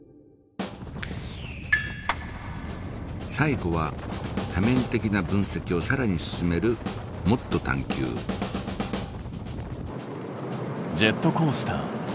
最後は多面的な分析をさらに進めるジェットコースター。